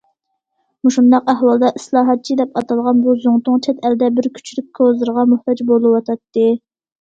مۇشۇنداق ئەھۋالدا، ئىسلاھاتچى، دەپ ئاتالغان بۇ زۇڭتۇڭ چەت ئەلدە بىر كۈچلۈك كوزىرغا موھتاج بولۇۋاتاتتى.